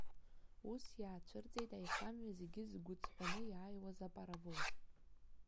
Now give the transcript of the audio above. Ус, иаацәырҵит аихамҩа зегьы згәыҵҳәаны иааиуаз апаровоз.